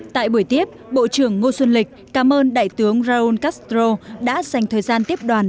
tại buổi tiếp bộ trưởng ngô xuân lịch cảm ơn đại tướng raúl castro đã dành thời gian tiếp đoàn